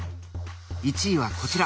１位はこちら！